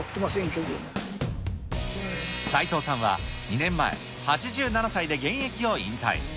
斉藤さんは２年前、８７歳で現役を引退。